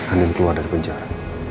andin keluar dari penjara